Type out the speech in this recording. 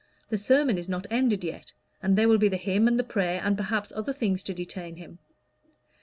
The sermon is not ended yet, and there will be the hymn and the prayer, and perhaps other things to detain him."